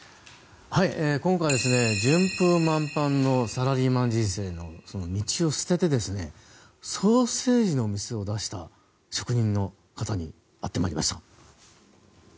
今回順風満帆のサラリーマン人生の道を捨ててソーセージの店を出した職人の方に会ってまいりました。